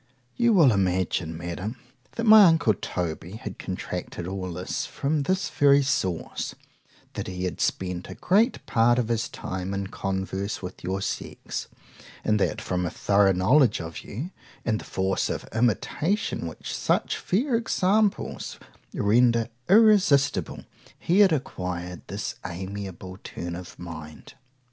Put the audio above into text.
You will imagine, Madam, that my uncle Toby had contracted all this from this very source;—that he had spent a great part of his time in converse with your sex, and that from a thorough knowledge of you, and the force of imitation which such fair examples render irresistible, he had acquired this amiable turn of mind.